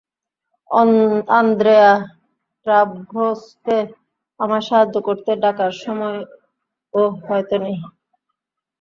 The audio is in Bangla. আন্দ্রেয়া স্ট্যাভ্রোসকে আমায় সাহায্য করতে ডাকার সময়ও হয়ত নেই।